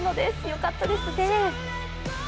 良かったですね。